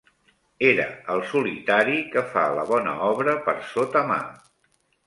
Era el solitari que fa la bona obra per sota mà